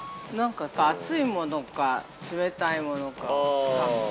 熱いものか冷たいものかをつかむ。